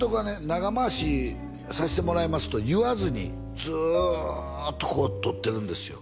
「長回しさしてもらいます」と言わずにずっとこう撮ってるんですよ